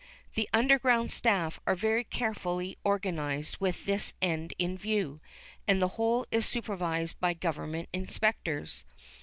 The underground staff are very carefully organised with this end in view, and the whole is supervised by Government inspectors.